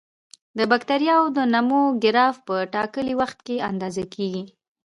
د بکټریاوو د نمو ګراف په ټاکلي وخت کې اندازه کیږي.